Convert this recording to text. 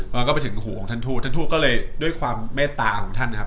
แล้วก็ไปถึงหูของท่านทูตท่านทูตก็เลยด้วยความเมตตาของท่านนะครับ